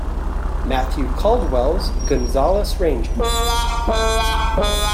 Mathew Caldwell's "Gonzales Rangers".